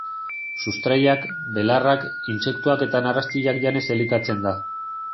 Sustraiak, belarrak, intsektuak eta narrastiak janez elikatzen da.